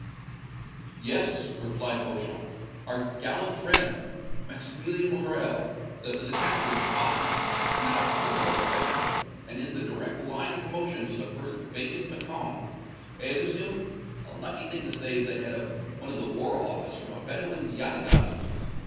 "Yes," replied Beauchamp, "our gallant friend, Maximilian Morrel, the Captain of Spahis now colonel of a regiment, and in the direct line of promotion to the first vacant bâton eh, Lucien? A lucky thing to save the head of one of the War Office from a Bedouin's yataghan.